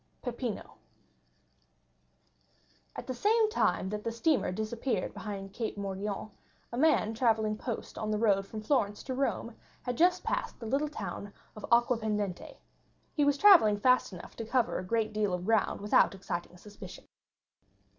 Peppino At the same time that the steamer disappeared behind Cape Morgiou, a man travelling post on the road from Florence to Rome had just passed the little town of Aquapendente. He was travelling fast enough to cover a great deal of ground without exciting suspicion.